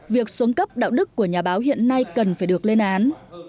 việc xuống cấp đạo đức của nhà báo hiện nay cần phải được lên án